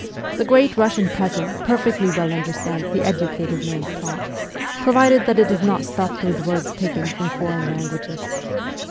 The Great Eussian peasant perfectly well understands the educated man's talk, provided that it is not stuffed with words taken from foreign languages.